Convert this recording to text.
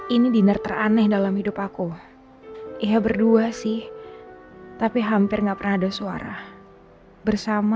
ini dinner teraneh dalam hidup aku ia berdua sih tapi hampir nggak pernah ada suara bersama